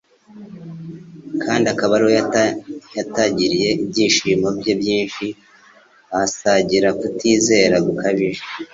kandi akaba ariho yatarigiye ibyigisho bye byinshi, ahasariga kutizera gukabije.